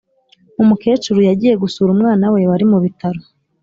Umukecuru yagiye gusura umwana we wari mu bitaro